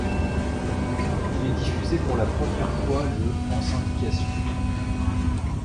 Il est diffusé pour la première fois le en syndication.